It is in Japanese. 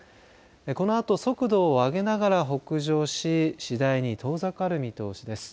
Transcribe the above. このあと速度を上げながら北上し次第に遠ざかる見通しです。